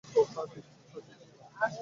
হ্যাঁ, ঠিক।